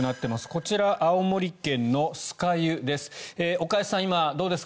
こちら、青森県の酸ケ湯です。